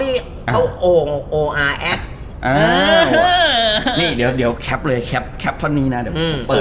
ไออ์แออ์เนี่ยเดี๋ยวแคร์บเลยแคร์บแคร์บข้างนี้น่ะเดี๋ยว